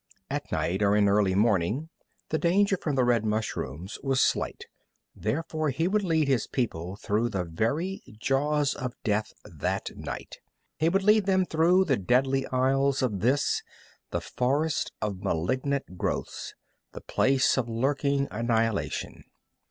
At night or in early morning, the danger from the red mushrooms was slight. Therefore he would lead his people through the very jaws of death that night. He would lead them through the deadly aisles of this, the forest of malignant growths, the place of lurking annihilation.